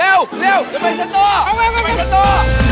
เร็วเร็วเร็วไปชัดตัวเอาไปชัดตัว